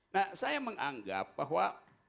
nah saya menganggap bahwa